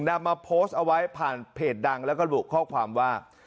นำมาโพสต์เอาไว้ผ่านเพจดังแล้วก็ระบุข้อความว่า